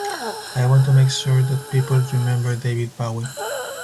I want to make sure that people remember David Bowie.